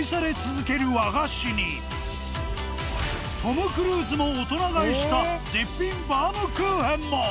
トム・クルーズも大人買いした絶品バウムクーヘンも！